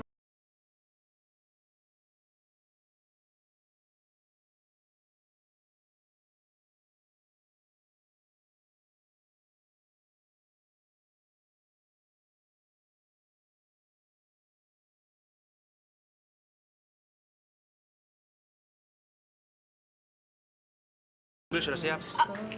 ay risikonya baru boleh tadi